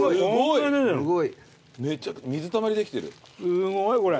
すごいこれ。